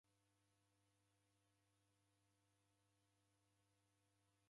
Okalia w'andu waw'achaw'ilombia.